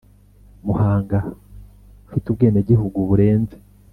Mahanga ufite ubwenegihugu burenze